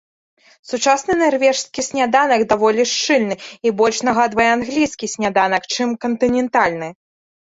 Сучасны нарвежскі сняданак даволі шчыльны і больш нагадвае англійскі сняданак, чым кантынентальны.